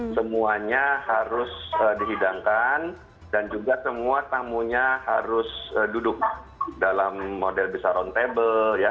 semuanya harus dihidangkan dan juga semua tamunya harus duduk dalam model besar roundtable